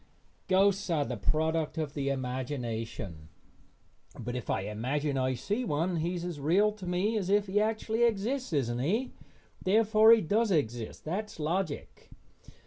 Ghosts are the product of the imagination, but if I imagine I see one he is as real to me as if he actually exists, isn't he? Therefore he does exist. That's logic.